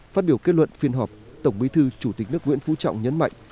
phát biểu kết luận phiên họp tổng bí thư chủ tịch nước nguyễn phú trọng nhấn mạnh